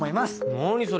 何それ？